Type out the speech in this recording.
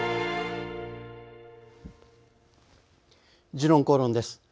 「時論公論」です。